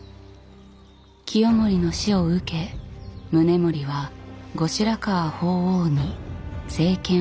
清盛の死を受け宗盛は後白河法皇に政権を返上する。